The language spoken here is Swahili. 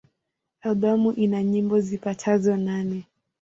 Albamu ina nyimbo zipatazo nane.